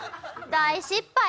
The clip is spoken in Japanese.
大失敗。